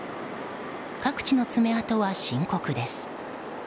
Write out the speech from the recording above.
各地の爪痕は深刻です。